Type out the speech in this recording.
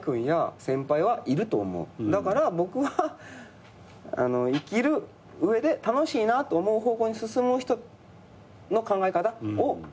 だから僕は生きる上で楽しいなと思う方向に進む人の考え方を推奨していきたいから。